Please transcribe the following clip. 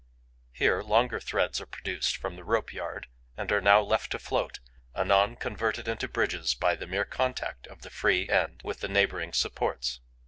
Here, longer threads are produced from the rope yard and are now left to float, anon converted into bridges by the mere contact of the free end with the neighbouring supports.